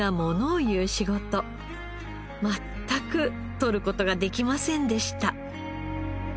全くとる事ができませんでした。